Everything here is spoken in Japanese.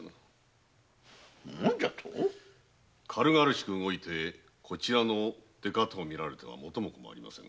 軽々しく動いてこちらの出方を見られては元も子もありませぬ。